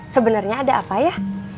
sebenernya ada apa ya